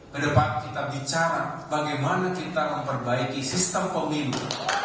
kedepan kita bicara bagaimana kita memperbaiki sistem pemilu